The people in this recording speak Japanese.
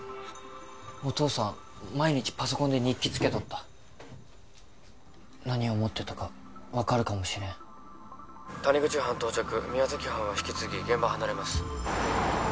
お父さん毎日パソコンで日記つけとった何を思ってたか分かるかもしれん谷口班到着宮崎班は引き継ぎ現場離れます